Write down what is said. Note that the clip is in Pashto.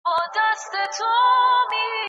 د سهار لمونځ یې نن بیا د ډېرې ستړیا له امله قضا شو.